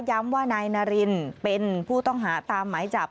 ว่านายนารินเป็นผู้ต้องหาตามหมายจับ